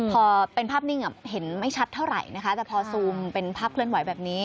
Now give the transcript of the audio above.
พอเป็นภาพนิ่งเห็นไม่ชัดเท่าไหร่นะคะแต่พอซูมเป็นภาพเคลื่อนไหวแบบนี้